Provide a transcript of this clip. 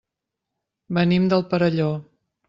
Venim del Perelló.